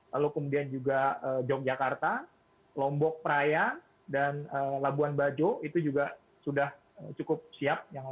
lalu kemudian juga yogyakarta lombok praia dan labuan bajo itu juga sudah cukup siap